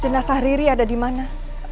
jenazah riri ada di mana